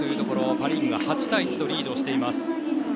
パ・リーグが８対１とリードをしています。